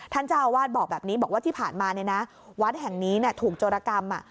ท่านเจ้าอาวาสบอกแบบนี้บอกว่าที่ผ่านมาเนี่ยนะวัดแห่งนี้ถูกโจรกรรม